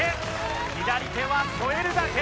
左手は添えるだけ。